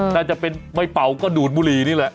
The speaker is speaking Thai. น่าจะเป็นไม่เป่าก็ดูดบุหรี่นี่แหละ